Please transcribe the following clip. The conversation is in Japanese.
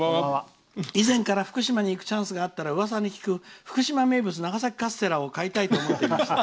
以前から福島に行くチャンスがあったらうわさに聞く福島名物の長崎カステラを買いたいと思っていました。